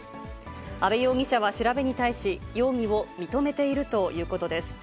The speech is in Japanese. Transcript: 阿部容疑者は調べに対し、容疑を認めているということです。